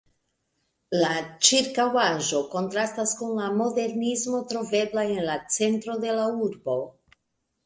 La ĉirkaŭaĵo kontrastas kun la modernismo trovebla en la centro de la urbo.